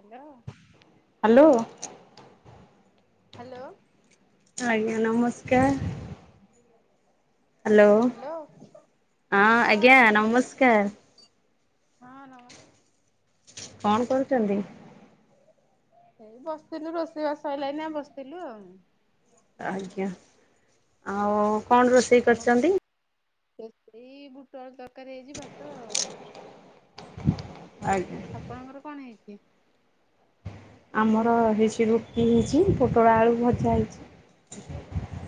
Hello. Hello. Hello. ଆଜ୍ଞା ନମସ୍କାର। Hello ହଁ ଆଜ୍ଞା ନମସ୍କାର। ହଁ ନମ କଣ କରୁଚନ୍ତି। ଏଇ ବସିଥିଲୁ ରୋଷେଇବାସ ସଇଲା ଏଇନା ବସିଥିଲୁ ଆଉ। ଆଜ୍ଞା ଆଉ କଣ ରୋଷେଇ ଆପଣ କରିଛନ୍ତି। ଏଇ ଖିଣି ବୁଟ ଆଳୁ ଦରକାର ହେଇଚି ଭାତ ଆଉ। ଆଜ୍ଞା। ଆପଣଙ୍କର କଣ ହେଇଛି। ଆମର ହେଇଛି ରୁଟି ହେଇଛି ପୋଟଳ ଆଳୁ ଭଜା ହେଇଛି।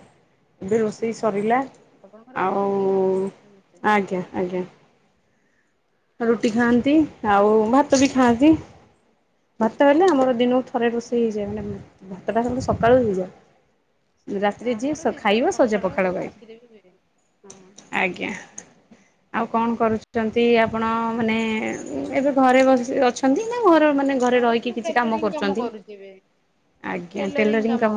ଏବେ ରୋଷେଇ ସରିଲା। ଆପଣଙ୍କର ରାତିରେ ଆଉ ରୁଟି ଖାଆନ୍ତି ବୋଧେ ସମସ୍ତେ ଆଜ୍ଞା, ଆଜ୍ଞା ରୁଟି ଓହୋ। ଖାଆନ୍ତି ଆଉ ଭାତ ବି ଖାଆନ୍ତି। ଭାତ ହେଲେ ଆମର ଦିନକୁ ଥରେ ରୋଷେଇ ହେଇଯାଏ। ମାନେ ଭାତଟା ହେଲେ ସକାଳୁ ହେଇଯାଏ। ରାତିରେ ଯିଏ ଆମର ଦିଥର ସ-ଖାଇବ ସଜ ସକାଳ ହୁଏ ପଖାଳ [inaudible] ରାତିରେ ବି ହୁଏ। ହଁ ଆଜ୍ଞା। ଆଉ କଣ କରୁଛନ୍ତି? ଆପଣ ମାନେ ଉଁ, ଏବେ ଘରେ ବସି ଅଛନ୍ତି ନା ଘର ମାନେ ଘରେ ରହିକି ମୁଁ କିଛି କାମ ଟେଲରିଂ କରୁଚନ୍ତି? କରୁଛି ଏବେ ଆଜ୍ଞା ଟେଲରିଂ କାମ,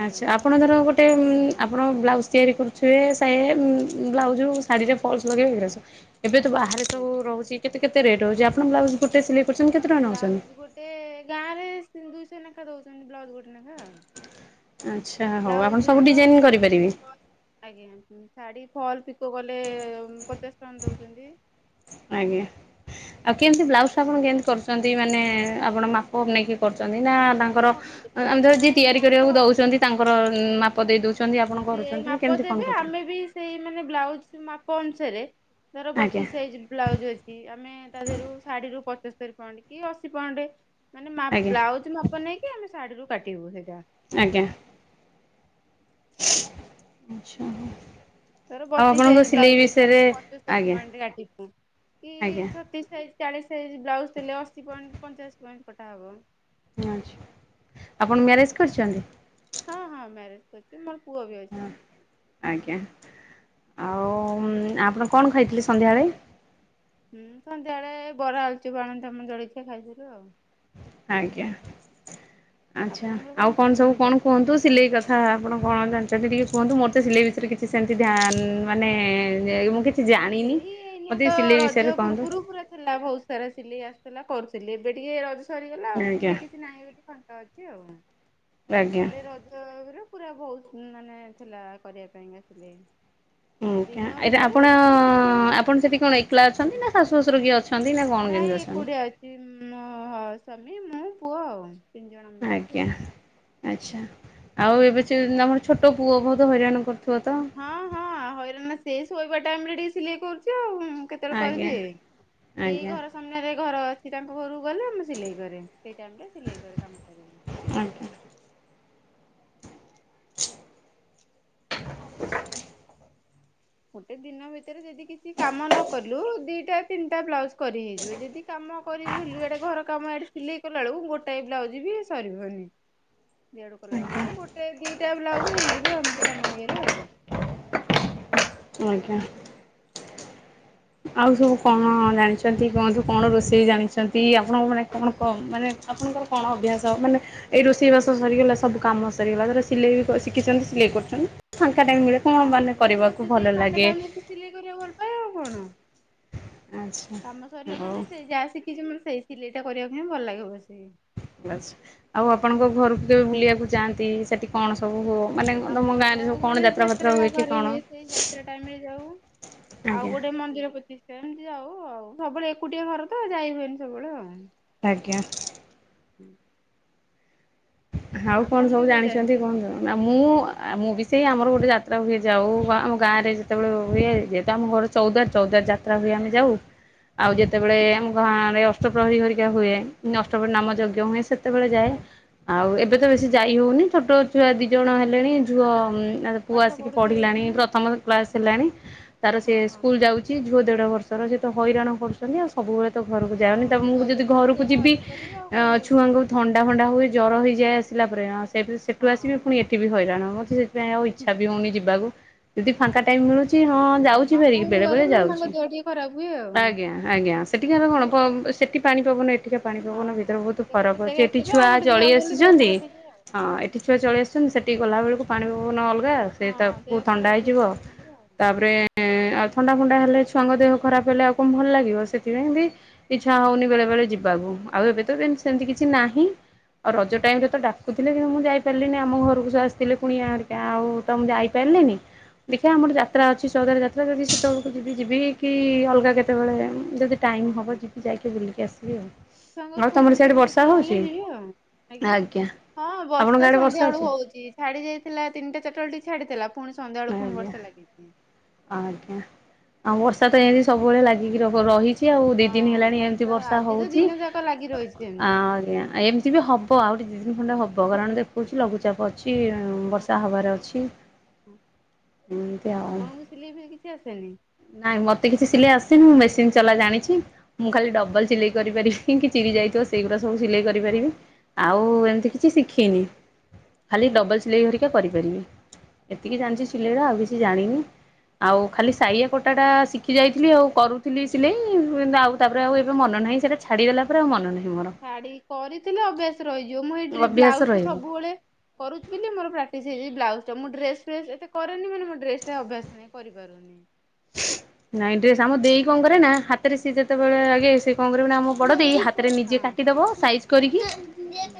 ଆଜ୍ଞା ଆଚ୍ଛା ଆ ଆପଣ ଧର ଗୋଟେ ଉଁ, ଆପଣ ବ୍ଲାଉଜ୍ ତିଆରି କରୁଥିବେ ସେ ଉଁ, ଆଜ୍ଞା ବ୍ଲାଉଜୁ ଶାଢୀରେ ଫଲସ୍ ଲଗେଇବେ ଏଉରା ସ- ଏବେ ତ ବାହାରେ ଆଜ୍ଞା। ସବୁ ରହୁଚି କେତେ କେତେ ରେଟ୍ ହଉଛି? ଆପଣ ବ୍ଲାଉଜ୍ ଗୋଟେ ସିଲେଇ କରୁଛନ୍ତି କେ ବ୍ଲାଉଜ୍ ଗୋଟେ ଗାଁ ରେ ସି- ଦୁଇଶହ ନେଖା ଦଉଛନ୍ତି ବ୍ଲାଉଜ୍ ଗୋଟେ ନେଖା ଆଚ୍ଛା ଆଉ। ହଉ ଆପଣ ବ୍ଲାଉଜ୍ ସବୁ ଦୁଇଶହ, ଡିଜାଇନ ଶାଢ଼ୀ କରିପାରିବେ? ଫଲ [inaudible] ଆଜ୍ଞା ହୁଁ, ଶାଢ଼ୀ ଫଲ୍ ପିକ କଲେ ଉଁ, ପଚାଶ ଟଙ୍କା ଦଉଛନ୍ତି। ଆଜ୍ଞା। ଆଉ କେମତି ବ୍ଲାଉଜ୍ ଟା ଆପଣ କେମତି କରୁଛନ୍ତି? ମାନେ ଆପଣ ମାପ ନେଇକି କରୁଛନ୍ତି ନା ତା ଙ୍କର ହଁ ଅଁ, ଗୋଟେ ଆମ ଧର ଯିଏ ନାଇଁ ତିଆରି ମାପ କରିବାକୁ ଅଛି। ଦଉଛନ୍ତି ତାଙ୍କର ଉଁ, ମା ପ ଦେଇ ଦଉଛନ୍ତି ଆପଣ ସିଏ କରୁଚନ୍ତି ନା ମାପ କେମିତି ଦେବେ କଣ କରୁଚନ୍ତି? ଆମେ ବି ସେଇ ମାନେ ବ୍ଲାଉଜ୍ ମାପ ଅନୁସାରେ ଧର ଆଜ୍ଞା ବତିଶ ସାଇଜ୍ ବ୍ଲାଉଜ୍ ଅ ଛି, ଆମେ ତା ଦେହରୁ ଶାଢୀ ରୁ ପଚସ୍ତରୀ ପଏଣ୍ଟ କି ଅଶୀ ପଏଣ୍ଟ ମାନେ ମା ଆଜ୍ଞା ବ୍ଲାଉଜ୍ ମା ପ ନେଇକି ଆମେ ଶାଢୀରୁ କାଟିବୁ ସେଇଟା। ଆଜ୍ଞା। ମାପଟା ଆଚ୍ଛା ହଉ। ଧର ବତିଶ ସାଇଜ୍ ବ୍ଲାଉଜ୍ ଅଛି ଆମେ ପଚସ୍ତରୀ ଆଜ୍ଞା ପଏଣ୍ଟରେ କାଟିବୁ। କି ଆଜ୍ଞା ଛତିଶ ସାଇଜ୍ ଚାଳିଶ ସାଇଜ୍ ବ୍ଲାଉଜ୍ ଥିଲେ ଅଶୀ ପଏଣ୍ଟ ପଞ୍ଚାଅଶୀ ପଏଣ୍ଟ କଟା ହବ। ଆଚ୍ଛା, ଆପଣ ମ୍ୟାରେଜ୍ କରିଛନ୍ତି? ହଁ, ହଁ ମ୍ୟାରେଜ୍ କରିଚି, ମୋର ପୁଅ ବି ଅଛି। ଆଜ୍ଞା, ଆଉ ଉଁ, ଆପଣ କଣ ଖାଇଥିଲେ ସନ୍ଧ୍ୟାବେଳେ? ହୁଁ, ସନ୍ଧ୍ୟାବେଳେ ଏ ବରା ଆଳୁଚପ୍ ଆଣି ତୋମେ ଜଳିଖିଆ ଖାଇଥିଲୁ ଆଉ। ଆଜ୍ଞା, ଆଚ୍ଛା ଆପଣଙ୍କର ଆଉ କଣ ଖାଉଛନ୍ତି ସବୁ ସନ୍ଧ୍ୟାବେଳେ? କଣ କୁହନ୍ତୁ ସିଲେଇ କ ହଁ ଆପଣ କଣ ଜାଣିଚନ୍ତି ଟିକେ କୁହନ୍ତୁ? ମୋର ତ ସିଲେଇ ବିଷୟରେ କିଛି ସେମିତି ଧ୍ୟାନ ମାନେ ଯେଉ ମୁଁ କିଛି ଜାଣିନି। ସିଲେଇ ଏଇନା ମୋତେ ତ ସିଲେଇ ବିଷୟରେ ରଜ କୁହନ୍ତୁ ପୁର୍ବରୁ ପୁରା ଥିଲା ଭଉ ସାରା ସିଲେଇ ଆସୁଥିଲା କରୁଥିଲି, ଏବେ ଟିକେ ରଜ ସରିଗଲା ଆଉ ଆଜ୍ଞା ସିଲେଇ କିଛି ନାହିଁ, ଏବେ ଟିକେ ଫାଙ୍କା ଅ ଛି ଆଉ, ଆଜ୍ଞା। ନହେଲେ ରଜ ଆଗରୁ ପୁରା ବହୁତ ମାନେ ଥିଲା କରିବା ପାଇଁକା ସିଲେଇ। ଆଜ୍ଞା ଦିନ ଏଇଟା ଭିତରେ ଆପଣ ଯଦି କିଛି ଆପଣ ସେଠି କଣ ଏକଲା ଅଛନ୍ତି ନା ଶାଶୁ ଶ୍ୱଶୁର କିଏ ଅଛନ୍ତି ନା କଣ କେମିତି ନାଇଁ ଅଛନ୍ତି ଏପଟେ ଅ ଛି ମୋ ହ- ସ୍ବାମୀ ମୁଁ ପୁଅ ଆଉ। ତିନି ଜଣ ଆମେ ରହୁଛୁ ଆଜ୍ଞା। ଆଉ। ଆଚ୍ଛା, ଆଉ ଏବେ ସେ ତୋମର ଛୋଟ ପୁଅ ବହୁତ ହଇରାଣ କରୁଥୁବ ତ? ହଁ, ହଁ ହଇରାଣ ସେ ଶୋଇବା ଟାଇମ୍ ରେ ଟିକେ ସିଲେଇ କରୁଛି, ଆଉ କଣ କେ ତେବେଳେ ଆଜ୍ଞା। କରିଦିଏ ଏଇ ଆଜ୍ଞା ଘର ସାମ୍ନାରେ ଘର ଅଛି ତାଙ୍କ ଘରକୁ ଗଲେ ଆମେ ସିଲେଇ କରେ ସେଇ ଟାଇମ୍ ରେ ସିଲେଇ କରେ କାମ ସାରିକିରି। ଆଜ୍ଞା ଗୋଟେ ଦିନ ଭିତରେ ଯଦି କିଛି କାମ ନ କଲୁ ଦିଟା ତିନିଟା ବ୍ଲାଉଜ୍ କରି ହେଇଯିବ। ଯଦି କାମ କରିବୁୁ ଇଆଡେ ଘର କାମ ଆଡେ ସିଲେଇ କଲା ବେଳକୁ ଗୋଟାଏ ବ୍ଲାଉଜ୍ ବି ସରିବନି। ଇଆଡୁ କଲାବେଳୁ ଆଜ୍ଞା ନହେଲେ ଗୋଟେ ଦିଟା ବ୍ଲାଉଜ୍ ହେଇଯିବ ଏମିତି କାମ ହିଏରେ ଆଉ। ଆଜ୍ଞା। ଆଉ ସବୁ କଣ ଜାଣିଛନ୍ତି କୁହନ୍ତୁ? କଣ ରୋଷେଇ ଜାଣିଛନ୍ତି? ଆପଣଙ୍କ ମାନେ କଣ କ- ମାନେ ଆପଣଙ୍କର କଣ ଅଭ୍ୟାସ ମାନେ ଏଇ ରୋଷେଇବାସ ସରିଗଲା ସବୁ କାମ ସରିଗଲା। ଧର ସିଲେଇ ବି କ-ଶିଖିଛନ୍ତି ସିଲେଇ କରୁଛନ୍ତି। ଫାଙ୍କା ଟାଇମ୍ ମିଳେ କୁ ହଁ ମାନେ ମୁଁ କରିବାକୁ ରୋଷେଇ ସେଇ ଭଲ ଫାଙ୍କା ଲାଗେ? ଟାଇମ ରେ ସିଲେଇ କରିବାକୁ ଭଲ ପାଏ ଆଉ କଣ ଆଚ୍ଛା କାମ ସରିଲା ହଉ ମାନେ ସେ ଯାହା ସି କିଛି ମୋର ସେଇ ସିଲେଇଟା କରିବାକୁ ହିଁ ଭଲ ଲାଗିବ ବସି। ଆଉ ଆପଣଙ୍କ ଘରକୁ କେବେ ବୁଲିବାକୁ ଯାଆନ୍ତି ସେଠିକି ଆମର ଗଣେଶ ଫାତ୍ରା ଯାତ୍ରା କି ଘରେ କଣ? ହୁଏ ସେ ଯାତ୍ରା ଟାଇମରେ ଯାଉ। ଆଉ ଆଜ୍ଞା ଗୋଟେ ମନ୍ଦିର ପ୍ରତିଷ୍ଠା ଏମିତି ଯାଉ ଆଉ ସବୁବେଳେ ଏକୁଟିଆ ଘର ତ ଯାଇ ହୁଏନି ସବୁବେଳେ ଆଉ ଆଜ୍ଞା। ଆଉ କଣ ଆପଣ ସବୁ କେବେ ଜାଣିଛନ୍ତି ଯାଆନ୍ତି? କଣ ଜଣ ନା ମୁଁ ମୁଁ ବି ସେଇ ଆମର ଗୋଟେ ଯାତ୍ରା ହୁଏ ଯାଉ ବା ଆମ ଗାଁ ରେ ଯେତେବେଳେ ହୁଏ ଯେହେତୁ ଆମ ଘର ଚୌଦ୍ଵାର ଚୌଦ୍ଵାର ଜାତ ଯାତ୍ରା ହୁଏ ଆମେ ହଁ ଯାଉ ଆଉ ଯେତେବେଳେ ଆମ ଗାଁରେ ଅଷ୍ଟପ୍ରହରୀ ଘରିକା ହୁଏ। ଅଷ୍ଟପ୍ରହରୀ ନାମ ଯଜ୍ଞ ହୁଏ ସେତେବେଳେ ଯାଏ। ଆଉ ଏବେ ତ ବେଶୀ ଯାଇ ହଉନି ଛୋଟ ଛୁଆ ଦି ଜଣ ହେଲେଣି। ଝୁଅ ପୁଅ ପାଠ ଆସିକି ପଢୁଥିବେ ପଢିଲାଣି ପୁଣି ପ୍ରଥମ କ୍ଲାସ ହେଲାଣି ତାର ସେ ହଁ ହଁ। ସ୍କୁଲ ଯାଉଛି। ଝିଅ ଦେଢ ବର୍ଷର ସେ ତ ହଇରାଣ କରୁ ଆଉ ସବୁବେଳେ ତ ଘରକୁ ଯାଏନି ହଁ ତ ଛୁଆ ଯଦି ଘରକୁ ସେଇ ଯିବି ହଇରାଣ କରିବେ ଆଉ ଆ କରିବ କଣ ଛୁଆଙ୍କୁ ଥଣ୍ଡା ଫଣ୍ଡା ହୁଏ ଜ୍ୱର ହେଇଯାଇ ଆସିଲା ପରେ ସେ ସେଠୁ ଆସିବି ହଁ। ପୁଣି ଏଠି ବି ହଇରାଣ ମୋତେ ସେଇ ଥିପାଇଁ ଆଉ ଇଛା ବି ହଉନି ଯିବାକୁ ଯଦି ଫାଙ୍କା ଟାଇମ ମିଳୁଛି ହଁ ଓହୋ ଯାଉଛି ମାମୁଁ ଭାରି ଘରକୁ ବେଳେ ଗଲେ ବେଳେ ମାନେ ତାଙ୍କ ଯାଉଛି ଦେହ ଟିକେ ଖରାପ ହୁଏ ଆଉ ଆଜ୍ଞା। ଆଜ୍ଞା ସେଠିକାର ଆ କ ଣ ସେଠି ପାଣି ପବନ ଏଠିକା ପାଣି ହଁ ପବନ ହଁ। ଭିତରେ ବହୁତ ସେ ଗୋଟେ ଫରକ ଅଛି ଜାଗାରେ ଏଠି ଥିବେ ଆଉ ଛୁଆ ଅଛି ଗୋଟେ ଚଳି ଜାଗାକୁ ଗଲେ ଦେହ ଆସିଛନ୍ତି ଖରାପ ହେଇଯାଏ ଆଉ। ହଁ ଏଠି ଛୁଆ ଚଳି ଆସୁଛନ୍ତି ସେଠି ଗଲାବେଳକୁ ପାଣି ପବନ ଅଲଗା ଆଉ ସେ ହଁ ତାକୁ ଦେହ ଥଣ୍ଡା ଖରାପ ହୁଏ ହେଇଯିବ ଜଣ ଜଣଙ୍କର ଆଉ ତାପରେ ଏଁ ଆଉ ଥଣ୍ଡା ଫଣ୍ଡା ହେଲେ ଛୁଆଙ୍କ ଦେହ ଖରାପ ହେଲେ ଆଉ କଣ ଭଲ ହଁ ଲାଗିବ ହଁ ସେଥିପାଇଁ ବି ଇଚ୍ଛା ହେଉନି ବେଳେବେଳେ ଯିବାକୁ ଆଉ ଏବେ ତ ସେମିତି କିଛି ନାହିଁ। ଆଉ ରଜ ଟାଇମରେ ତ ଡାକୁଥିଲେ କିନ୍ତୁ ମୁଁ ଯାଇପାରିଲିନି ଆମ ଘରକୁ ସ ଆସିଥିଲେ କୁଣିଆ ହେରିକା ହଁ ଆଉ ହଁ। ତ ମୁଁ ଯାଇପାରିଲନି। ଦେଖିଆ ଆମର ଯାତ୍ରା ଅଛି ଚୌଦ୍ଵାର ଯାତ୍ରା ଯଦି ସେତେବେଳକୁ ଯଦି ଯିବି କି ଅଲଗା କେତେବେଳେ ଯଦି ଟାଇମ୍ ହଁ। ହେବ ଯିବି ଯାଇକି ବୁଲିକି ଆସିବି ଆଉ ଛୁଆଙ୍କ ଆଉ ସ୍କୁଲ ତମର ଛୁଟି ସିଆଡେ ପୁଣି ବର୍ଷା ଦିଆହେଲେ ହଉଛି? ଯିବେ ଆଉ ଆଜ୍ଞା ହଁ ବର୍ଷା ସନ୍ଧ୍ୟାବେଳୁ ହଉଛି। ଛାଡିଯାଇଥିଲା ତିନଟା ଚାରଟା ବେଳୁକୁ ଟିକେ ଛାଡିଥିଲା ପୁଣି ସନ୍ଧ୍ୟାବେଳୁକୁ ପୁଣି ଆଜ୍ଞା ବର୍ଷା ଲାଗିଚି। ଆଜ୍ଞା। ଆଉ ବର୍ଷା ତ ଏମତି ସବୁବେଳେ ଲାଗିକି ରହ ରହିଛି। ଏମତି ଆଉ ଦି ଦିନ ହଁ ହେଲାଣି ଏମତି ବର୍ଷା ଆଜି ତ ହଉଚି। ଦିନ ଯାକ ଲାଗି ରହିଛି ସେମିତି। ଆଜ୍ଞା ଏମ୍ ଏମତି ବି ହବ ଆଉ ଦି ତିନ ଦିନ ଖଣ୍ଡେ ହବ କାରଣ ଦେଖଉଚି ଲଘୁଚାପ ଅଛି ବର୍ଷା ହବାର ଅଛି। [unintelligible] ଏମତି ଆଉ ଆପଣଙ୍କୁ ସିଲେଇ ଫିଲେଇ କିଛି ଆସେନି? ନାଇଁ ମତେ କିଛି ସିଲେଇ ଆସେନି ମୁଁ ମେସିନ୍ ଚଲା ଜାଣିଚି ମୁଁ ଖାଲି ଡବଲ ସିଲେଇ କରିପାରିବି। ପିଙ୍କି ଚିରି ଯାଇଥିବ ସେଇଗୁଡ଼ା ସବୁ ସିଲେଇ କରିପାରିବି। ହଁ ଆଉ ଏମତି କିଛି ଶିଖିନି। ଖାଲି ଡବଲ୍ ସିଲେଇ ଘରିକା କରିପାରିବି। ଏତିକି ଜାଣିଚି ସିଲେଇର ଆଉ କିଛି ଜାଣିନି। ଆଉ ଖାଲି ସାଇଆ କଟାଟା ଶିଖି ଯାଇଥିଲି ଆଉ କରୁ ଥିଲି ସିଲେଇ ସିଲେଇ ଆଉ ତାପରେ ଆଉ ଏବେ ମନ ନାହିଁ ସେଇଟା ଛାଡ଼ିଦେଲା ପରେ ଆଉ ମନ ନାହିଁ ମୋର ଛାଡି କରିଥିଲେ ଅଭ୍ୟାସ ରହିଯିବ ମୁଁ ଏଇ ଡ୍ରି ଅଭ୍ୟାସ ବ୍ଲାଉଜଟା ରହିବ। ସବୁବେଳେ କରୁଛି ବୋଲି ମୋ ପ୍ରାଟିସ୍ ହେଇଛି ବ୍ଲାଉଜଟା ମୁଁ ଡ୍ରେସ୍ ଫ୍ରେସ୍ ଏତେ କରେନି ବୋଲି ମୋର ଡ୍ରେସଟା ଅଭ୍ୟାସ ନାହିଁ। ନାଇଁ କରିପାରୁନି। ନାଇଁ ଡ୍ରେସ୍ ଆମ ଦେଇ କଣ କରେନା ହାତରେ ସିଏ ଯେତେବେଳେ ଆଗେ ସିଏ କଣ କରିବ ନା ଆମ ବଡ ଦେଇ ହାତ୍ ହାତରେ ହଁ ନିଜେ କାଟିଦବ ସାଇଜ୍ କରିକି। ହୁଁ।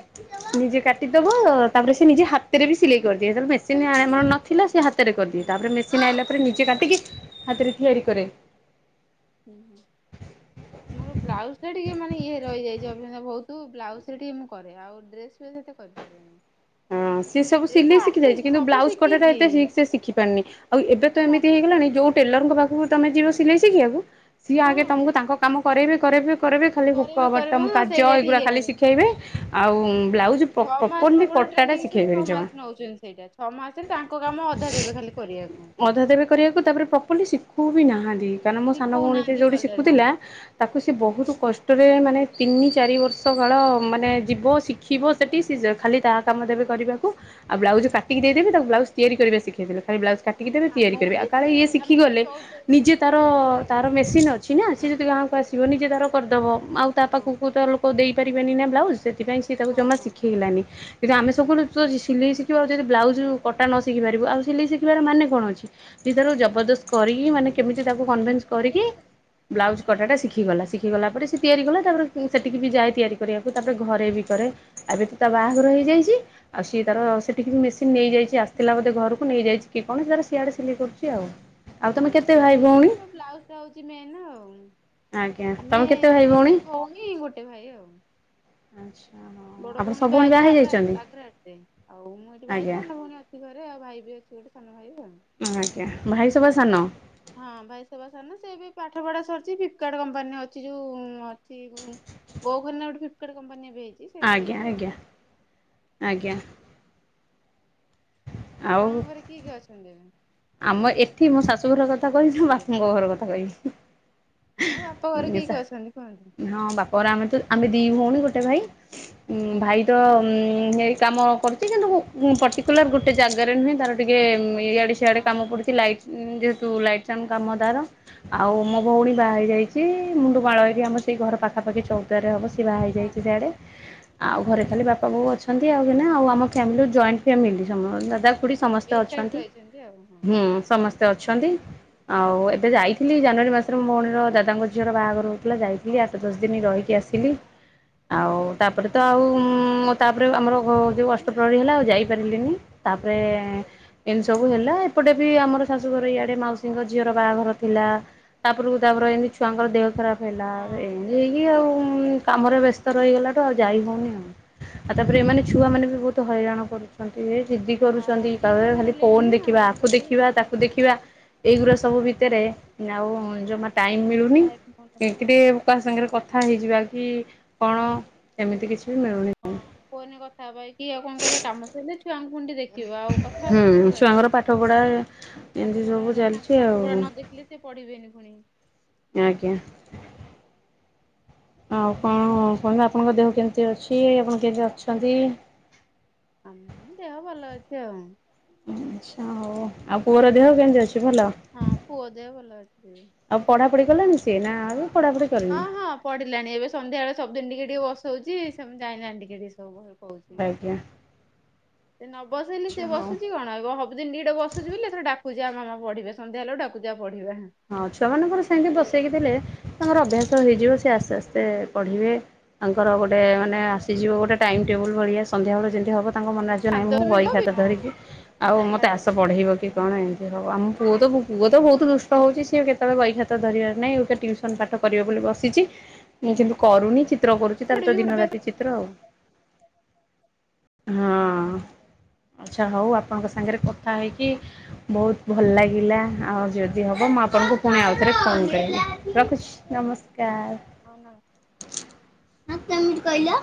ନିଜେ କାଟିଦବ ତାପରେ ସେ ନିଜେ ହାତରେ ବି ସିଲେଇ କରଦିଏ ତାର ମେସି ମେସିନ୍ ଆମର ହଁ ନଥିଲା ସେ ହାତରେ ହୁଁ କରିଦିଏ। ତାପରେ ମେସିନ୍ ଆଇଲା ପରେ ନିଜେ କାଟିକି ହାତରେ ତିଆରି କରେ। ଉଁ ହୁଁ। ମୋର ବ୍ଲାଉଜ୍ ଟା ଟିକେ ମାନେ ଇଏ ରହି ଯାଇଚି ଅଭ୍ୟାସ ଭୋଉତୁ ବ୍ଲାଉଜ ରେ ଟିକେ ମୁଁ କରେ ଆଉ ଡ୍ରେସ୍ ବି ଏତେ କରିପାରେନା। ଦେନ୍ ହଁ ସିଏ ସବୁ ସିଲେଇ ଶିଖି ଯାଇଚି କିନ୍ତୁ ସବୁ ବ୍ଲାଉଜ୍ କଟାଟା ଶିଖିଛି ଏତେ ଠିକ୍ ସେ ଶିଖି ପାରନି ଆଉ ହଁ ଏବେ ମାନେ ତ ଏମିତି ସବୁ ହେଇଗଲାଣି ଶିଖିଛି ଯୋଉ ମୁଁ। ଟେଲରଙ୍କ ପାଖକୁ ତମେ ଯିବ ସିଲେଇ ଶିଖିବାକୁ। ସିଏ ଆଗେ ହଁ। ତମକୁ ତାଙ୍କ କାମ କରେଇବେ କରେଇବେ କରିବେ ଖାଲି ହୁକ କରିବେ କରିବେ ବଟମ ହଁ କାଜ ସେଇଟା ଠିକ ଏଗୁଡ଼ା ଖାଲି ହେଲାଣି ଶିଖେଇବେ ଆଉ ବ୍ଲାଉଜ୍ ପ ପ୍ରପର ଲି କଟା ସେମତିକି ସେ ଛଅ ମାସ ନଉଚନ୍ତି ସେଇଟା ଛଅ ମାସରେ ତାଙ୍କ କାମ ଅଧା ଦେବେ ଖାଲି କରିବାକୁ। ଅଧା ଦେବେ କରିବାକୁ ତାପରେ ପ୍ରପରଲି ଶିଖୋଉ ବି ନାହାନ୍ତି କାହିଁକି ନା ମୋ ସାନ ଭଉଣୀ ଶିଖଉନାହାନ୍ତି ଯୋଉଠି ଭଲରେ ଶିଖୁଥିଲା ହଁ। ତାକୁ ସେ ବୋହୁତ କଷ୍ଟରେ ମାନେ ତିନି ଚାରି ବର୍ଷ କାଳ ମାନେ ଯିବ ଶି ଖିବ ସେତିକି ସିଜା ଖାଲି ତା କାମ ଦେବେ କରିବାକୁ ଆଉ ବ୍ଲାଉଜ୍ କାଟିକି ଦେଇ ଦେବେ। ତାକୁ ବ୍ଲାଉଜ୍ ତିିଆରି କରିବା ଶିଖେଇ ଦେଲେ ଖାଲି ବ୍ଲାଉଜ୍ କାଟିକି ଦେବେ ତିଆରି ଆମକୁ କରିବେ ବି କାଳେ ସେ ଇଏ ଶିଖି ଆମେ ଯୋଉ ଗଲେ ଚଉଦରେ ନିଜେ ତାର ଶିଖୁଥିଲୁ ବି ସେଇ ତାର ମେସିନ ଅଛି ନା ସିଏ ଯଦି ଗାଁକୁ ଆସି ଯିବନି କିଏ ତାର କରଦବ ଆଉ ତା ହଁ ପାଖକୁ ତା ଲୋ ଲୋକ ଦେଇ ପାରିବେନି ନା ବ୍ଲାଉଜ୍ ସେଥିପାଇଁ ସିଏ ତାକୁ ହଁ ଜମା ହଁ ଶିଖେଇଲାନି। କିନ୍ତୁ ଆମେ ସବୁ କହିଲୁ ତୁ ତ ସିଲେଇ ଶିଖିବା ଆଉ ଯଦି ବ୍ଲାଉଜ୍ କଟା ନ ଶିଖି ପାରିବୁ ଆଉ ସିଲେଇ ଶିଖିବାର ମାନେ କଣ ଅଛି? ସିଏ ତାର ଜବରଦସ୍ତ କରିକି ମାନେ ହୁଁ କେମିତି ତାକୁ କନଭେନ୍ସ କରିକି ବ୍ଲାଉଜ କଟାଟା ଶିଖିଗଲା। ଶିଖିଗଲା ପରେ ସେ ତିଆରି କଲା ତାପରେ ସେଠିକି ବି ଯାଏ ତିଆରି କରିବାକୁ ତାପରେ ଘରେ ବି କରେ। ଏବେ ତ ତା ବାହାଘର ହେଇଯାଇଚି ଆଉ ହଁ ସିଏ ହଁ। ତାର ସେଠିକି ମେସିନ୍ ସିଏ ନେଇଯାଇଛି ଆସିଥିଲା ବୋଧେ ଘରକୁ ନେଇଯାଇଛି କି କଣ ତାର ସିଆଡେ ସିଲେଇ କରୁଚି ଆଉ। ଆଉ ହଁ ତମେ କେତେ ଭାଇ ସିଲେଇ ଭଉଣୀ ରେ ବ୍ଲାଉଜ ଟା ହଉଚି ମେନ୍ ଆଉ। ଆଜ୍ଞା ଆମେ ତମେ କେତେ ଭାଇ ତିନି ଭଉଣୀ ଗୋଟେ ଭାଇ ଆଉ। ଆଚ୍ଛା ହଉ। ବଡ ଭଉଣୀ ବାହା ହେଇଛି ନା ଆଗ୍ ଆଗ୍ରା ଆଠରେ ଆଉ ମୁଁ ଏଇଠି ବାହା ହେଇଛି ଆଜ୍ଞା ସାନ ଭଉଣୀ ଅଛି। ଅଛି ଘରେ ଆଉ ଭାଇ ବି ଅଛି ଗୋଟେ ସାନ ଭାଇ ଆଉ। ଆଜ୍ଞା ଭାଇ ସବା ସାନ। ହଁ ଭାଇ ସବା ସାନ ସେ ଏବେ ପାଠ ପଢା ସରଚି ଫ୍ଲିପ୍ କାର୍ଡ କମ୍ପାନୀରେ ଅଛି ଯୋଉ ଅଛି ବୋଉ ଖନ୍ନା ଗୋଟେ ଫ୍ଲିପ୍ କାର୍ଡ କମ୍ପାନୀରେ ଏବେ ହେଇଚି। ଆଜ୍ଞା ଆଜ୍ଞା ଆଜ୍ଞା। ଆପଣଙ୍କ ଆଉ ଘରେ କିଏ କିଏ ଅଛନ୍ତି ଏବେ? ଆମ ଏଠି ମୋ ଶାଶୁଘର କଥା କହିବି ନା ବାପୁଙ୍କ ଘର କଥା କହିବି? ହେଁ ବାପା ଘରେ କି କି ଅଛନ୍ତି କୁହନ୍ତୁ? ପରେ ଆମେ ତ ଆମେ ଦି ଭଉଣୀ ଗୋଟେ ଭାଇ ହଁ ହଁ। ଭାଇ ତ ହେଇ କାମ କରୁଛି କିନ୍ତୁ ପର୍ଟିକୁଲାର ଗୋଟେ ଜାଗାରେ ନୁହେଁ ତ [unintelligible] ଥିଲ ଯେହେତୁ ଲାଇଟ କାମ ଦାର ଆଉ ମୋ ହଁ ଭଉଣୀ ବାହା ହେଇ ଯାଇଛି। ସିଏ ମୁଣ୍ଡୁ ମାଳ ବି ଆମର ସେଇ ଘର ପାଖାପାଖି ଚଉଦାରେ ହେବ ଶିଳା ହଁ ହେଇଯାଇଛି ସଆଡ଼େ। ଆଉ ଘରେ ଖାଲି ବାପା ବାୋଉ ଅଛନ୍ତି ଆଉ କେନା ଆଉ ଆମ ଫ୍ୟାମିଲି ଜଏଣ୍ଟ ଫ୍ୟାମିଲି ସମ ଦାଦା କୁଡି ହ ଏକାଠି ରହିଛନ୍ତି ଆଉ। ହ ହୁଁ ସମସ୍ତେ ଅଛନ୍ତି। ଆଉ ଏବେ ଯାଇଥିଲି ଜାନୁଆରୀ ମାସରେ ମୋଉଣୀର ଦାଦାଙ୍କ ଝିଅର ବାହାଘରରୁ ଯାଇଥିଲି ହଁ ଆଠ ହଁ ଦଶ ଦିନ ରହିକି ଆସିଲି ଆଉ ତାପରେ ତ ଆଉ ମ ତାପରେ ଆମର ଆଉ ଯାଇ ଯେଉଁ ହଉନି ଅଷ୍ଟପ୍ରହରୀ ହେଲା ଆଉ ଯାଇପାରିଲିନି ତାପରେ ଏମିତି ସବୁ ହେଲା। ସେପଟେ ବି ଆମର ଶାଶୁଘର ଇଆଡେ ମାଉସୀଙ୍କ ଝିଅର ବାହାଘର ଥିଲା। ତାପରକୁ ତାପରେ ଏମିତି ଛୁଆଙ୍କ ଦେହ ଖରାପ ହେଲା ହଁ ଏମତି ଯାଇ ହେଇକି ହଉନି ଆଉ କାମରେ ବ୍ୟସ୍ତ ରହିଗଲାଠୁ ଆଉ ଯାଇ ହଉନି ଆଉ। ଆଉ ତାପରେ ଏମାନେ ଛୁଆ ମାନେ ବି ବହୁତ ହଇରାଣ କରୁଛ। ସିଧି ହଁ କରୁଛନ୍ତି ଦି କ ଜଣ ଖାଲି ଫୋନ ହେଲେଣି ନା ଦେଖିବା ହଇରାଣ ଆକୁ କରୁଥିବେ ଦେଖିବା। ଆଉ ତାକୁ ଦେଖିବା ଏଇଗଡା ସବୁ ଭିତରେ ଆଉ। ଟାଇମ୍ ମିଳୁନି ଟାଇମ୍ ହଉନଥିବ ଆଉ। [unintelligible] କ ସାଙ୍ଗରେ କଥା ହେଇଯିବା କି କଣ ଏମିତି କିଛି ବି ମିଳୁନି। ହଁ ଫୋନ୍ ରେ କଥା ହବ। ଏଠି ଆଉ କଣ କରିବା କାମ ସରିଲେ ଛୁଆଙ୍କୁୁ ପୁଣି ଟିକେ ଦେଖି ଖିବ ଆଉ କଥା ହୁଁ ହବ କେତେବେଳେ କାହା ଛୁଆଙ୍କର ପାଠ ସ ପଢ଼ା ଏମିତି ପାଠ ପଢା ସବୁ ହେଲାଣି ଚାଲିଛି ତାଙ୍କୁ ପାଠ ଆଉ ପଢା ନ ଦେଖିଲି ସେ ପଢିବେନି ପୁଣି। ଆଜ୍ଞା। ଆଉ କଣ କୁହନ୍ତୁ ଆପଣଙ୍କ ଦେହ କେମିତି ଅଛି ଆପଣ କେମତି ଅଛନ୍ତି? ଆମ ଦେହ ଭଲ ଅଛି ଆଉ। ଆଚ୍ଛା ହଉ ଆଉ ପୁଅର ଦେହ କେମିତି ଅଛି ଭଲ? ହଁ ପୁଅ ଦେହ ଭଲ ଅଛି। ଆଉ ପଢା ପଢି କଲାଣିି ସେ ନା ଆଉ ପଢାପଢି ହଁ ହଁ ପଡିଲାଣି ଏବେ ସନ୍ଧ୍ୟାବେଳେ ସବୁଦିନ ଟିକେ ଟିକେ ବସଉଚି ସବୁ ଜାଣିଲାଣି ଟିକେ ଟିକେ ସବୁ। କହୁଚି ଆଜ୍ଞା ସେ ନ ବସେଇଲେ ସେ ଆଚ୍ଛା ହଉ ବସୁଚି କଣ? ହାଏବ ସବୁ ଦିନ ଟିକେ ଟିକେ ବସୁଚି ବୋଲି ଡାକୁଚି ଆ ମାମା ପଢ଼ିବେ ସନ୍ଧ୍ୟା ହେଲା ବେଳକୁ ଡାକୁଚି ଆ ପଢିବା। ହଁ ଛୁଆମାନଙ୍କର ସେମତି ବସେଇକି ଦେଲେ ତାଙ୍କର ଅଭ୍ୟାସ ହେଇଯିବ ସେ ଆସ୍ତେ ଆସ୍ତେ ପଢିବେ। ତାଙ୍କର ଗୋଟେ ମାନେ ଆସିଯିବ ଗୋଟେ ଟାଇମ ଟେବୁଲ ଭଳିଆ ସନ୍ଧ୍ୟାବେେଳେ ଯେମିତି ହବ ତାଙ୍କ ମନେ ଆସି ବ ନାହିଁ ପାଞ୍ଚ ମୁଁ ଦଶ ମିନିଟ୍ ବହି ହଁ ଖାତା ଧରିକି ଆଉ ମୋତେ ପାଠ ଆଶ ପଢିବା। ପଢେଇବ କି କଣ ଏମତି ସବୁ ଆମ ପୁଅ ତ ପୁଅ ତ ବହୁତ ଦୁସ୍ ଟ ହେଉଚି। ସିଏ କେତେବେଳେ ବହିଖାତା ଧରିବାର ନାହିଁ। ଅହିକା ଟ୍ୟୁସନ୍ ପାଠ କରିବ ବୋଲି ବସିଚି। ଉଁ କିନ୍ତୁ କରୁନି ଚିତ୍ର କରୁଚି ତାର ସେଇଟା ବି ତ ଗୋଟେ ଦିନ ବେଷ୍ଟ ରାତି ଚିତ୍ର ଆଉ। ହଁ। ଆଚ୍ଛା ହଉ ଆପଣଙ୍କ ସାଙ୍ଗରେ କଥା ହେଇକି ବହୁତ ଭଲ ଲାଗିଲା। ଆଉ ଯ ଦି ହବ ମୁଁ ଆପଣଙ୍କୁ ପୁଣି ଆଉଥରେ ଫୋନ କରିବି। ରଖୁଚି ନମସ୍କାର। ହଁ କେମିତି କହିଲ?